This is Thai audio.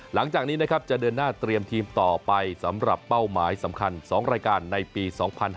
หลังจากนี้นะครับจะเดินหน้าเตรียมทีมต่อไปสำหรับเป้าหมายสำคัญ๒รายการในปี๒๕๕๙